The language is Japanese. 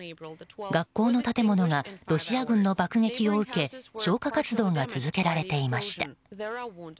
学校の建物がロシア軍の爆撃を受け消火活動が続けられていました。